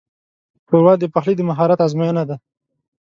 ښوروا د پخلي د مهارت ازموینه ده.